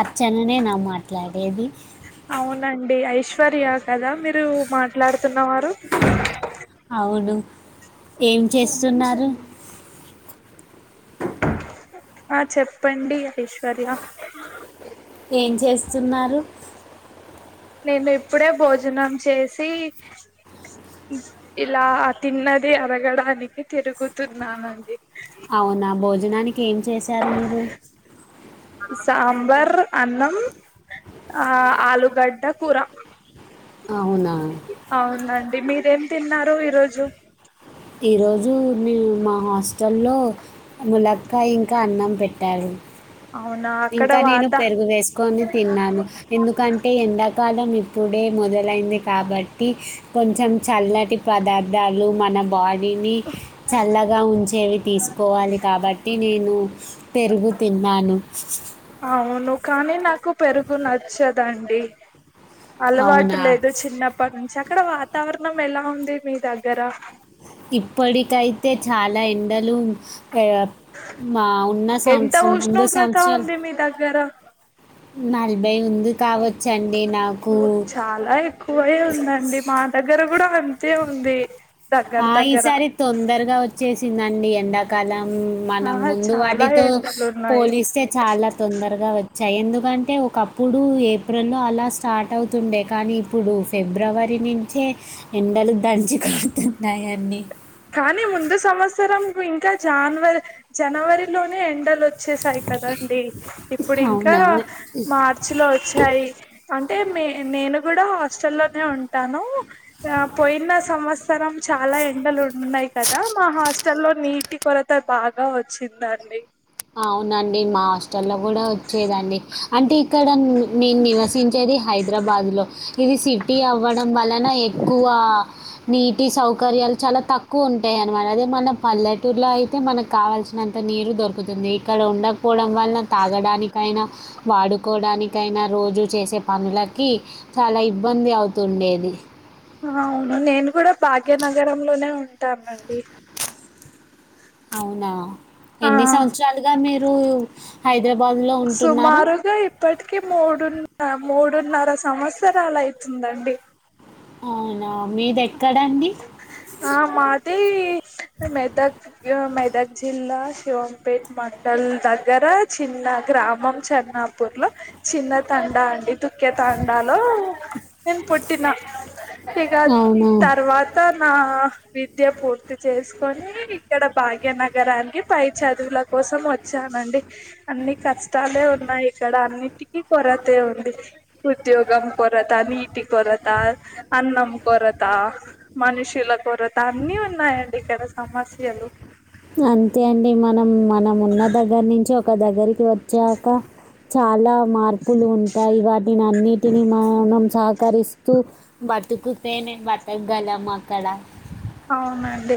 అర్చననే నా మాట్లాడేది అవునండి ఐశ్వర్య కదా మీరు మాట్లాడుతున్న వారు అవును ఏం చేస్తున్నారు ఆ చెప్పండి ఐశ్వర్య ఏం చేస్తున్నారు నేను ఇప్పుడే భోజనం చేసి ఇలా ఆ తిన్నది అరగడానికి తిరుగుతున్నానండి అవునా భోజనానికి ఇకేం చేశారు మీరు సాంబార్ అన్నం ఆ ఆలుూగడ్డ కూర అవునా అవునండి మీరు ఏం తిన్నారు ఈరోజు ఈరోజు నేను మా హాస్టల్లో ములక్క ఇంకా అన్నం పెట్టారు అవునా అక్కడ ఇంకా నేను వాత పెరుగు వేసుకొని తిన్నాను ఎందుకంటే ఎందక ఉత్పాదం ఇప్పుడే మొదలైంది కాబట్టి కొంచెం చల్లటి పదార్థాలు మన బ చల్లగా ఉంచేవి తీసుకోవాలి కాబట్టి నేను పెరుగు తిన్నాను అవును కానీ నాకు పెరుగు నచ్చదండి అలవాటు అవునా లేదు చిన్నప్పటి నుంచి అక్కడ వా వాతావరణం ఎలా ఉంది మీ దగ్గర ఇప్పటికైతే చాలా ల ఎండలు మా ఉన్న ఎంత సంవత్సరం ముందు ఉష్ణోగ్రత సంవత్సరాలు ఉంది మీ దగ్గర నల్బైయి ఉంది కావచ్చండి నాకు చాలా ఎక్కువై ఉందండి మా దగ్గర కూడా అంతే ఉంది దగ్గర ఆ దగ్గర ఈసారి తొందరగా వచ్చేసి చిందండి ఎండాకాలం ఆ మనం ముందు చాలా వాటితో ఎండలు ఉన్నాయి పోలిస్తే చాలా తొందరగా వచ్చ ఎందుకంటే ఒకప్పుడు ఏప్రిల్లో అలా స్టార్ట్ అవుతుండే కానీ ఇప్పుడు ఫిబ్రవరి నుంచే ఎండలు దంచి కా నాయర్ని కానీ ముందు సంవత్సరం ఇంకా జానవరి జనవరిలోనే ఎండలు వచ్చేసాయి కదండి ఇప్పుడు ఇంకా అవునవును మార్చి లో వచ్చాయి అంటే మే నేను కూడా హాస్టల్లోనే ఉంటాను ఆ పోయిన సంవత్సరం చాలా ఎండలుంటయి కద మా హాస్టల్లోని నీటి కొరత బాగా వచ్చిందండి అవునండి మాస్ చల్ల కూడా వచ్చేదండి అంటే ఇక్కడ నేను నివసించేది హైదరాబాదులో ఇది సిటీ అవ్వడం వలన ఎక్కువ నీటి సౌకర్యాలు చాలా తక్కువ ఉంటాయి అన్నమాట అదే మన పల్లెటూరులో అయితే మనకు కావాల్సినంత నీరు దొరుకుతుంది ది ఇక్కడ ఉండపోడ వల్లన తాగడానికైనా వాడుకోవడానికైనా రోజూ చేసే పనులకి చాలా ఇబ్బంది అవుతుండేది అవును నేను కూడా భాగ్యనగరంలోనే ఉన్నాను టాన్ అండి అవునా ఆ ఎన్ని సంవత్సరాలుగా మీరు హైదరాబాద్‌లో ఉంటున్నారు? సుమారుగా ఇప్పటికి మూడున్న మూడున్నర సంవత్సరాలు అయితుందండి అవునా మీరు ఎక్కడ అండి ఆ మాది మెదక్ మెదక్ జిల్లా శివంపేట్ మండల దగ్గర చిన్న గ్రామం చన్నాపూర్ లో చిన్న తాండా అండి తుక్యతాండాలో నేను పుట్టిన ఇగ అవును తర్వాత ఆ విద్య పూర్తి చేసుకొని ఇక్కడ భాగ్యనగరానికి పై చదువుల కోసం వచ్చానండి అన్ని కష్టాలే ఉన్నాయి ఇక్కడ అన్నిటికీ కొరతే ఉంది ఉద్యోగం కొరత నీటి కొరత అన్నం కొరత మనుషుల కొరత అన్ని ఉన్నాయండి ఇక్కడ సమస్యలు అంతే అండి మనం నం ఉన్న దగ్గర నుంచి ఓ ఒక దగ్గరి వచ్చాక చాలా మార్పులు ఉంటాయి వాటిని అన్నిటిని మ మనం సహకరిస్తూ బ తుకుతేనే బతకగలం అక్కడ అవునండి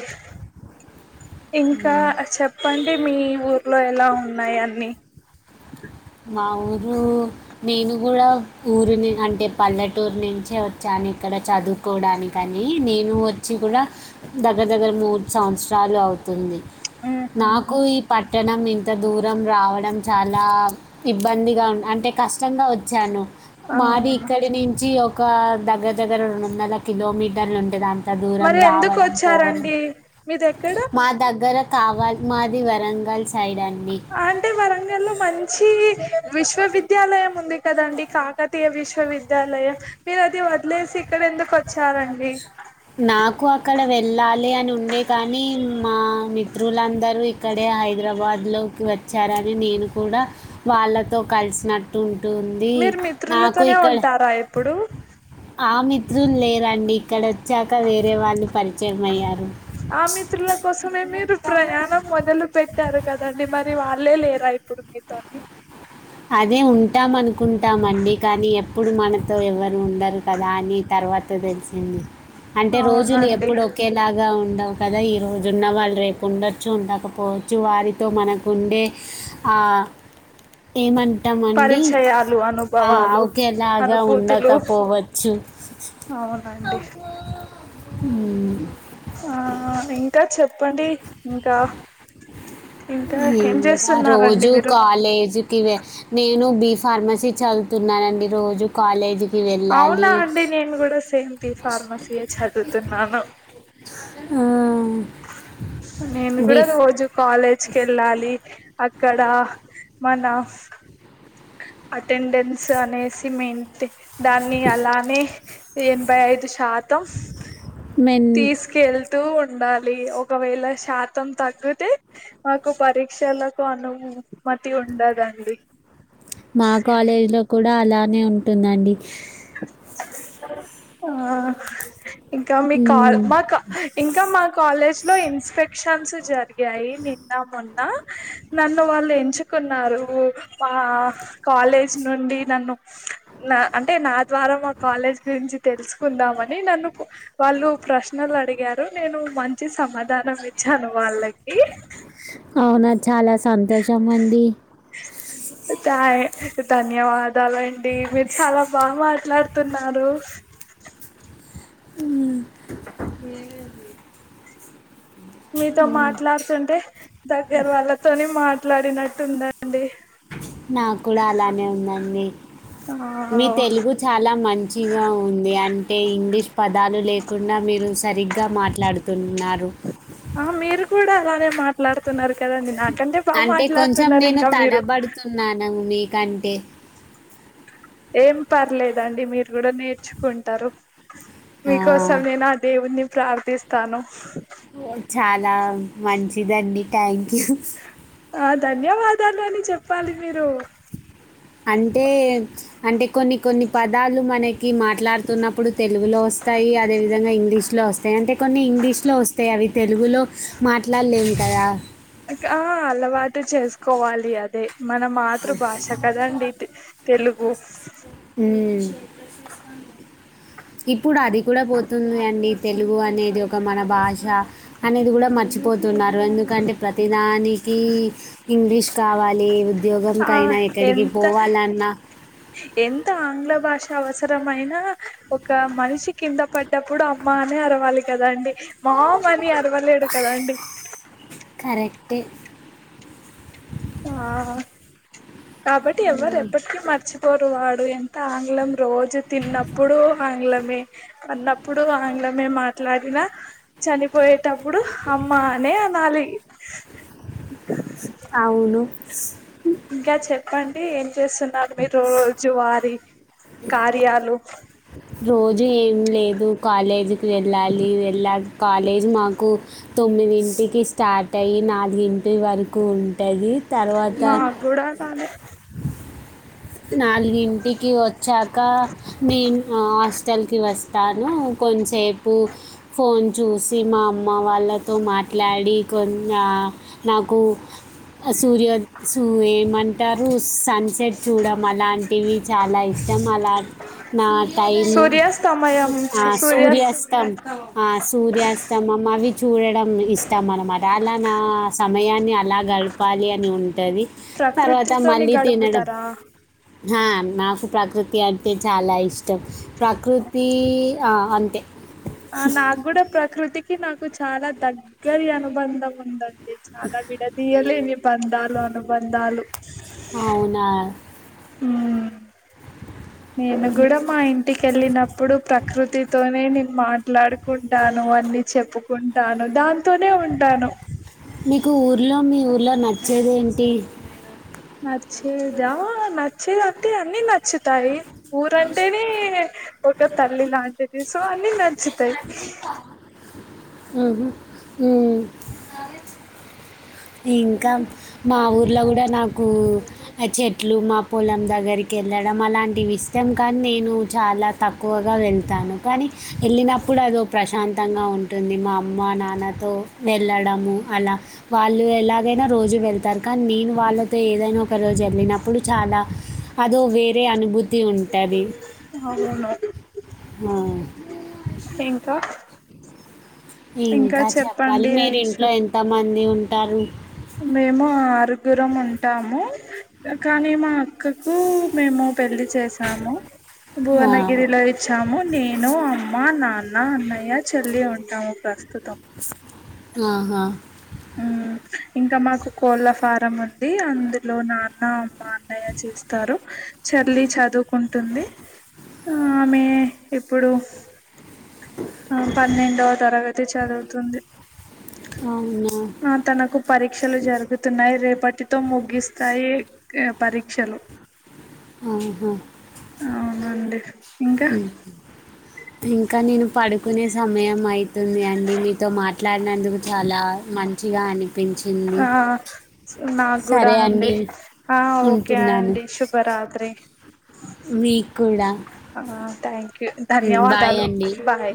ఇంకా చెప్పండి మీ ఊర్లో లా ఉన్నాయి అన్ని మా ఊరు నేను కూడా ఊరిని అంటే పల్లెటూరు నుంచే వచ్చాను ఇక్కడ చదువుకోవడానికని నేను వచ్చి కూడా దగ్గర దగ్గర మూడు సంవత్సరాలు అవుతుంది ఉహు నాకు ఈ పట్టణం అంత దూరం రావడం చాలా ఇబ్బందిగా ఉ అంటే కష్టంగా వచ్చాను మాది అవునా ఇక్కడి నుంచి ఒక ఒక దగ్గర దగ్గర రెండుందల కిలోమీటర్లు ఉంటే దాం మరి ఎందుకు వచ్చారండి మీది ఎక్కడ కావల్ మాది వరంగల్ సైడ్ అండి అంటే వరంగల్లో మంచి విశ్వవిద్యాలయం ఉంది కదండడి కాకతీయ విశ్వవిద్యాలయం మీరు అది వదిలేసి ఇక్కడ ఎందుకు వచ్చారంండి నాకు అక్కడ వెళ్ళాలి అని ఉ ఉండే కానీ మా మిత్రులందరూ ఇక్కడే హైదరాబాద్ లో వచ్చారని నేను కూడా వాళ్ళతో కలిసినట్టు ఉంటుంది మీరు నాకు మిత్రులతోనే ఇక్కడ ఉంటారా ఎప్పుడు ఇలు లేరండి ఇక్కడ వచ్చాక వేరే వాళ్ళు పరిచయం అయ్యారు ఆ మిత్రుల కోసమే మీరు ప్రయాణం మొదలు పెట్టారు కదండి మరి అలే లేరా ఇప్పుడు మీతోని అదే ఉంటామనుకున్నాం నకుంటామండి కానీ ఎప్పుడు మనతో ఎవరు రు ఉండరు కదా అని తర్వాత తెలిసింది అంటే రోజులు అవునండి ఎప్పుడు ఒకేలాగా ఉండవు కదా ఈరోజు ఉన్నవాళ్ళు రేపు ఉండొచ్చు ఉండకపోవచ్చు వారితో మనకుండే ఏమంట పరిచయాలు అనుభవాలు ఒకేలాగా అనుభూతులు ఉండకపోవచ్చు అవునండి అ ఆ ఇంకా, చెప్పండి ఇంకా? ఇంకా ఏం ఇంకా చేస్తున్నారండి రోజు మీరు కాలేజీకి వె నేను బి ఫార్మసీ చదుతున్నానండి, రోజు కాలేజ్ అవునా అండి, నేను కూడా సేమ్ టూ యూ ఫార్మసీయే చదువుతున్నాను. ఆ నేను బీ కూడా రోజు కాలేజ్కిళ్ళాలి అక్కడ మన అటెండెన్స్ అనేసి మెయింటే దాన్ని అలానే ఎనభై ఐదు శాతం మెన్ తీసుకెళ్తూ ఉండాలి ఒకవేళ శాతం తగ్గితే మాకు పరీక్షలకు అనుమతి ఉండదండి మా కాలేజీ లో కూడా డా అలానే ఉంటుందండి. ఆ ఇంకా మీ కాల్, ఉమ్, మా కా, ఇంకా మా కాలేజ్. మరి ఇన్స్పెక్షన్స్ జరిగ్ గయి నిన్న, మొన్ ఆ నన్ను వాళ్ళు ఎంచుకున్నారు. ఆ కాలేజ్ నుండి నన్ను న అంటే నా ద్వారా మా కాలేజ్ గురించి తెలుసుకుందామని, నన్ను కొ వాళ్ళు ప్రశ్నలు అడిగారు, నేను మంచి సమాధానం ఇచ్చాను వాళ్ళకి. అవునా చాలా సంతోషం అండి. థ్యా ధన్యవాదాలండి, మీరు చాలా బాగా మాట్లాడుతున్నారు. ఉమ్ మీతో మాట్లాడుతుంటే. దగ్గర వాళ్ళతోని మాట్లాడినట్టుందండి. నాక్కూడా అలానే ఉందండి. మీ తెలుగు చాలా మంచిగా ఉంది అంటే, ఇంగ్లీష్ పదాలు లేక్ కుండా మీరు సరిగ్ గా మాట్లాడుతున్నారు. కూడ అలానే మాట్లాడుతున్నారు కదండి నాక్ అంటే కొంచెం నేను తడబడుతున్నాను మీక్ కంటే ఏం పర్లేదండి మీరు కూడ నేర్చుకుంటరు. ఆ, మీకోసమేనా ఆ దేవున్నీ ప్రార్థిస్తాను. చాలా మంచిదండి థ్యాంక్ యూ. ఆ ధన్యవాదాలు అని చెప్పాలి మీరు అంటే అంటే కొన్ని కొన్ని పదాలు మనకి క మాట్లాడుతున్నప్పుడు తెలుగులో వస్తాయి అదేవిధంగా ఇంగ్లీ సయ ఆ అలవాటు చేసుకోవాలి అదే మన మాతృభాష కదండి, తె తెలుగు. ఇప్ ఇప్పుడు అది కూడ పోతుంది అండి. తెలుగు అనేది ఒక మన భాష, అనేది కూడా మర్చిపోతుంద్ తున్నారు ఎందుకంటే ప్రతిదానికి ఇంగ్లీష్ కావాలి రుద్ ఆ ఎంత, ఎంత ఆంగ్ల భా భాష అవసరమయిన, ఒక మనిషి కింద పడ్డప్పుడు అమ్మ అనే అరవాలి కదా అండి మామ్ అని రవలేడు కదా అండి? కరెక్ట్ ఆ కాబట్ ఆంగ్లం రోజు తిన్నప్పుడు ఆంగ్ల అన్నప్పుడు ఆంగ్లమే మాట్లాడినా చనిపోయేటప్పుడు అమ్మ అనే అనాలి అవును బస్ ఇంకా చెప్పండి చేస్తున్నారు మీ రోజువారి కార్యాలు రోజు ఏం లేదు కాలేజీకి వెళ్ళాలి వెళ్ళా కాలేజ్ మాకు తొమ్మిదింటికి స్టార్ట్ అయ్యి నాలుగింటి వరకు పట్టది తర్వాత మాకు కూడా అలానే నాలుగింటికి వచ్చాక నేను హాస్టల్కి వస్తాను కొంచసేపు ఫోన్ చూసి మా అమ్మ వాళ్ళతో మాట్లాడి కొ నాకు సూర్య సూ అంటారు సన్సెట్ చూడడం అలాంటివి ఇష్టం అలా నా టైమ్ సూర్యాస్తమయం ఆ సూర్యాస్ సూర్యాస్తం సూర్యాస్తమయం చూడటం ఇష్టం అనమాట అలా నా సమయాన్ని అలా గడపాలి అని ఉ ఉంటది తర్వాత ప్రకృతితోని మళ్ళీ తినడం గడుపుతారా నాకు ప్రకృతి అంటే చాలా ఇష్టం ప్రకృతి అంత ఆ నాకూడా కృతికి నాకు చాలా దగ్గర అనుబంధం ఉంద అ చాలా విడదియలేని బంధాలు అనుబంధాలు అవునా ఉమ్ నేను కూడా మా ఇంటికి వెళ్ళినప్పుడు ప్రకృతితోనే నేను మాట్లాడుకుంటాను అని చెప్పు ఉంటాను దాంతోనే ఉంటాను మీకు ఊర్లో మీ ఊర్లో నచ్చేది ఏంటి నచ్చిదా నచ్చితే అన్ని నచ్చుతుంది నచ్చుతాయి ఊరంటేనే ఒక తల్లి లాంటిది సో అన్ని స్ నచ్చుతాయి హ్మ్ హు మ్మ్ ఇంకా మా ఊర్లో కూడా నాకు చెట్లు మా పొలం దగ్గరికి వెళ్ళడం అలాంటివి ఇష్టం కానీ నేను చాలా తక్కువగా వెళ్తాను కానీ ఎల్లినప్పుడు అదో ప్రశాంత్ తంగా ఉంటుంది మా అమ్మ నాన్నతో వెళ్ళడము అలా వాళ్ళు ఎలాగైనా రోజు వెళ్తారు కానీ నేను వాళ్ళతో ఏదైనా ఒక రోజు వెళ్ళినప్పుడు చాలా అదో వేరే అనుభూతి తి ఉంటది అవును ఆ ఇంకా ఇంకా చెప్పాలి చెప్పండి మీరి ఐషు ఇంట్లో ఎంత మంది ఉ టారు మేము ఆరుగురం ఉంటాము కానీ మా అక్కకు మేము పెళ్లిి చేసాము ఆ, భువనగిరిలో ఇచ్చాము నేనుమ్ అ మా నాన్న అన్నయ్య చెల్లి ఉంటాము ప్రస్తుతం ఆహా మ్మ్ ఇంకా మాకు కోళ్ళ ఫారం ఉంది అందులో నాన్న అమ్మ అన్నయ్య చేస్తారు చల్లి చదువుకుంటుంది ఆ ఆమె ఇప్పుడు ఆ పన్నెండవ తరగతి చదువుతుంది అవునా ఆ తనకు పరీక్షలు జరుగుతున్నాయి రేపటి పట్టితో ముగిస్తాయి పరీక్షలు ఆహా అవునండి ఇంకా మ్మ్ ఇంకా నేను పడుకునే సమయం అయితుంది అండి మీతో మాట్లాడినందుకు చాలా మంచి చిగాని ఆ నాకు కూడా అండి ఆ ఓకే అండి శుభరాత్రి మీక్కుడ టైన్ కే ధన్యవాదాలు బాయ్